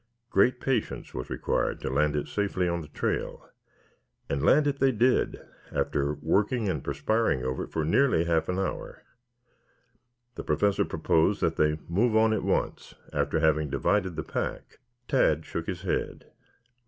Great patience was required to land it safely on the trail, but land it they did after working and perspiring over it for nearly half an hour. The Professor proposed that they move on at once, after having divided the pack. Tad shook his head.